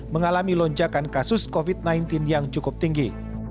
mengalami lonjakan kasus covid sembilan belas yang cukup tinggi